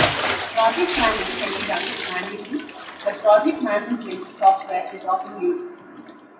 Project planning can be done manually, but project management software is often used.